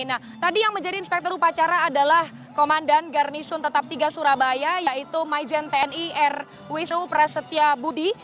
nah tadi yang menjadi inspektor upacara adalah komandan garnisun tetap tiga surabaya yaitu maijen tni r wisu prasetya budi